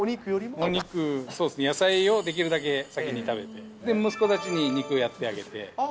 お肉、そうですね、野菜をできるだけ先に食べて、息子たちに肉をやってあげて。